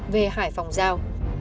về hải phòng giao